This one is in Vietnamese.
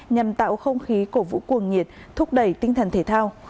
nhằm tạo không khí cổ vũ cuồng nhiệt thúc đẩy tinh thần thể thao